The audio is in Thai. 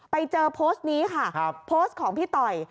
ไปเจอโพสต์นี้ค่ะโพสต์ของพี่ต่อย